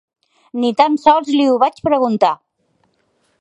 Ni tan sols li ho vaig preguntar.